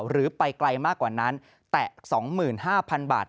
หรือไปไกลมากกว่านั้นแตะ๒๕๐๐๐บาท